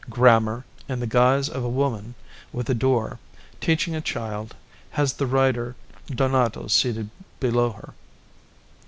Grammar, in the guise of a woman, with a door, teaching a child, has the writer Donato seated below her.